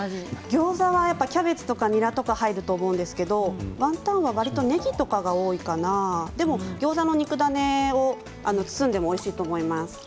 ギョーザはキャベツとかにらとか入ると思うんですけれども、ワンタンはわりと、ねぎとかが多いかなでもギョーザの肉ダネを包んでもおいしいと思います。